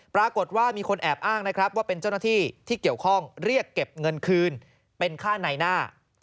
ปรากฏว่ามีคนแอบอ้างนะครับว่าเป็นเจ้าหน้าที่ที่เกี่ยวข้องเรียกเก็บเงินคืนเป็นค่าในหน้า